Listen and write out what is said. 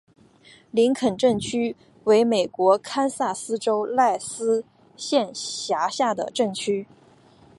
林肯镇区为美国堪萨斯州赖斯县辖下的镇区。